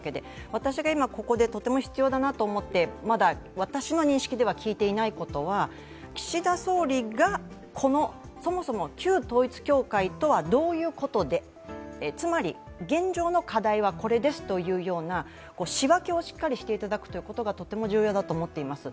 私が今ここでとても必要だなと思って、まだ私の認識では聞いていないことは、岸田総理がこのそもそも旧統一教会とはどういうことで、つまり、現状の課題はこれですというような仕分けをしっかりしていただくということがとても重要だと思っています。